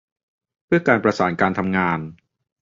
เพื่อการประสานการทำงาน